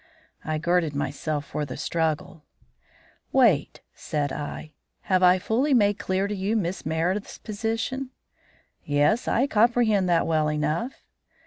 I girded myself for the struggle. "Wait," said I; "have I fully made clear to you Miss Meredith's position?" "Yes, I comprehend that well enough."